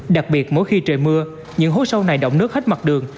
đặc biệt mỗi khi trời mưa những hố sâu này động nước hết mặt đường